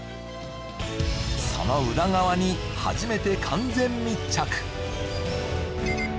その裏側に初めて完全密着